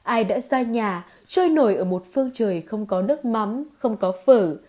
ai đã ra nhà trôi nổi ở một phương trời không có nước mắm không có phở